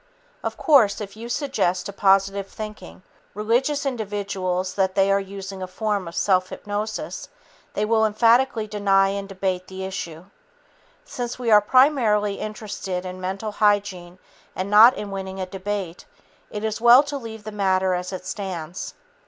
Of course, if you suggest to positive thinking, religious individuals that they are using a form of self hypnosis, they will emphatically deny and debate the issue. Since we are primarily interested in mental hygiene and not in winning a debate, it is well to leave the matter as it stands.